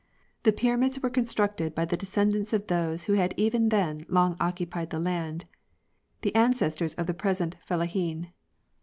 The pyramids were constructed by the descendants of those who had even then long occupied the land—the ancestors of the present fellahin.